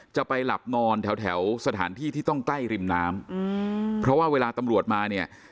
จะไปหลับนอนแถวแถวสถานที่ที่ต้องใกล้ริมน้ำอืมเพราะว่าเวลาตำรวจมาเนี่ย